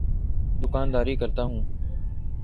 دوکانداری کرتا ہوں۔